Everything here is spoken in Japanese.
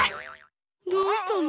どうしたの？